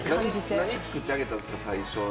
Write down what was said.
何作ってあげたんですか？